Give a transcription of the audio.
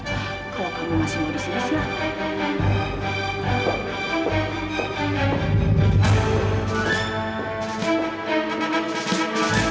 kalau kamu masih mau disini silahkan